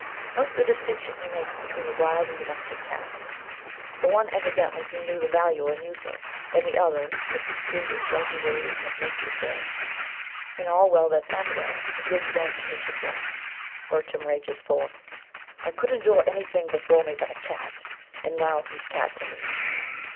Note the distinction he makes between the wild and the domestic cat; the one, evidently, he knew the value and use of, and the other, its peculiar stealthy ways and of nature dread. In All's Well that Ends Well, he gives vent to his dislike; Bertram rages forth: I could endure anything before but a cat, And now he's cat to me.